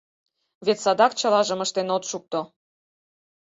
Вет садак чылажым ыштен от шукто.